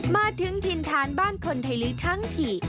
มาถึงทินทานบ้านคนไทยลิทั้งที่